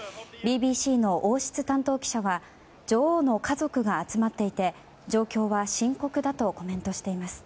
ＢＢＣの王室担当記者は女王の家族が集まっていて状況は深刻だとコメントしています。